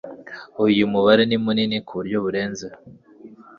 uyu mubare ni munini ku buryo urenze